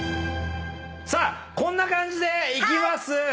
さあこんな感じでいきます。